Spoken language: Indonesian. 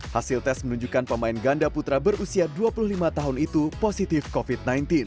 hasil tes menunjukkan pemain ganda putra berusia dua puluh lima tahun itu positif covid sembilan belas